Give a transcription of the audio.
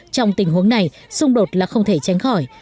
trong tình huống này xung đột là không thể tránh khỏi